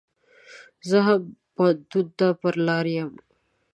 زه هم پو هنتون ته پر لار يم.